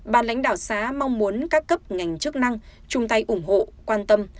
bà lãnh đạo xá mong muốn các cấp ngành chức năng chung tay ủng hộ quan tâm